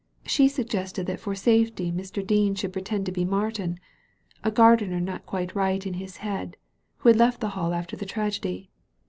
She suggested that for safety Mr. Dean should pretend to be Martin — a gardener not quite right in his head, who had left the Hall after the tragedy.